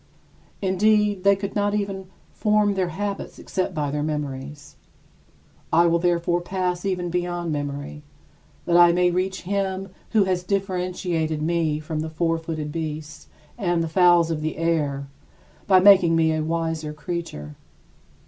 Indeed, they could not even form their habits except by their memories. I will therefore pass even beyond memory that I may reach Him who has differentiated me from the four footed beasts and the fowls of the air by making me a wiser creature.